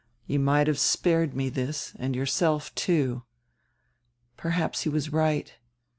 You might have spared me diis, and yourself, too.' Perhaps he was right.